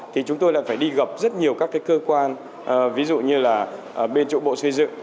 thì chúng tôi lại phải đi gặp rất nhiều các cơ quan ví dụ như là bên trụ bộ xây dựng